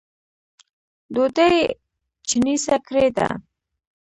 ډوډۍ چڼېسه کړې ده